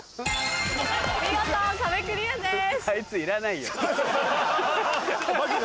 見事壁クリアです。